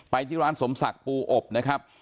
ที่ร้านสมศักดิ์ปูอบนะครับ